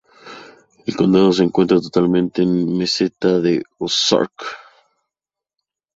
El condado se encuentra totalmente en la meseta de Ozark.